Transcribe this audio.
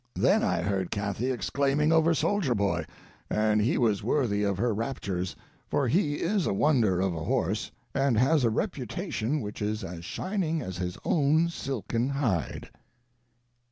Then I heard Cathy exclaiming over Soldier Boy; and he was worthy of her raptures, for he is a wonder of a horse, and has a reputation which is as shining as his own silken hide.